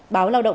báo lào động